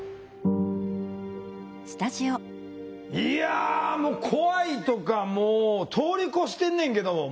いやもう怖いとかもう通り越してんねんけど。